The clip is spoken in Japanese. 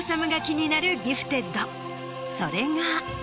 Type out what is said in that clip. それが。